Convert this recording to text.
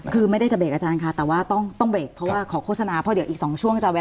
คือไม่ได้จะเรกอาจารย์ค่ะแต่ว่าต้องเบรกเพราะว่าขอโฆษณาเพราะเดี๋ยวอีก๒ช่วงจะแวะ